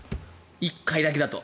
１回だけだと。